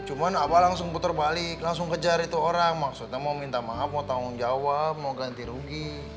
cuma langsung putar balik langsung kejar itu orang maksudnya mau minta maaf mau tanggung jawab mau ganti rugi